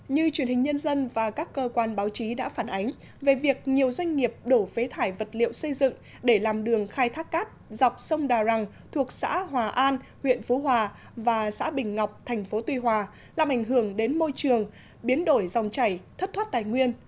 như truyền hình nhân dân và các cơ quan báo chí đã phản ánh về việc nhiều doanh nghiệp đổ phế thải vật liệu xây dựng để làm đường khai thác cát dọc sông đà răng thuộc xã hòa an huyện phú hòa và xã bình ngọc thành phố tuy hòa làm ảnh hưởng đến môi trường biến đổi dòng chảy thất thoát tài nguyên